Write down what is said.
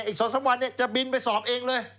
อีก๒๓วันจะบินไปสอบเองเลย